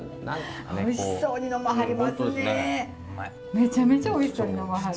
めちゃめちゃおいしそうに呑まはる。